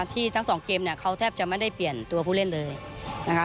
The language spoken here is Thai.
ทั้งสองเกมเนี่ยเขาแทบจะไม่ได้เปลี่ยนตัวผู้เล่นเลยนะคะ